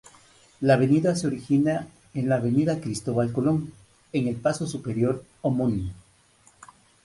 La avenida se origina en la Avenida Cristóbal Colón, En el Paso Superior homónimo.